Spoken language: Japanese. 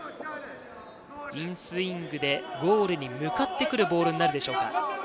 いいスイングでゴールに向かってくるボールになるでしょうか。